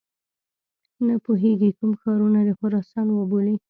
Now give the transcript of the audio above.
نه پوهیږي کوم ښارونه د خراسان وبولي.